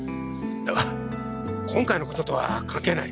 だが今回のこととは関係ない。